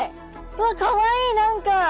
わっかわいい何か。